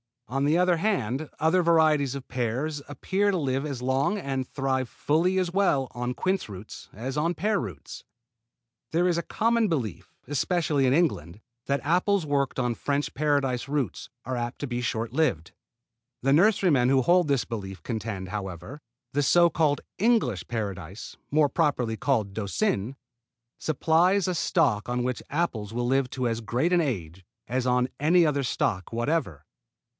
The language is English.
On the other hand other varieties of pears appear to live as long and thrive fully as well on quince roots as on pear roots. There is a common belief, especially in England, that apples worked on French paradise roots are apt to be short lived. The nurserymen who hold this belief contend, however, that the so called English Paradise, more properly called Doucin, supplies a stock on which apples will live to as great an age as on any other stock whatever.